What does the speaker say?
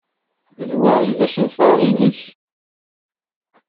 D wa ay d asenfar-nnek?